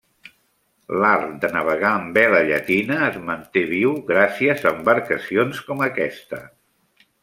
L'art de navegar amb vela llatina es manté viu gràcies a embarcacions com aquesta.